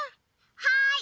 はい！